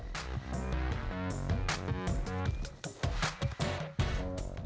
itu yang kita lakukan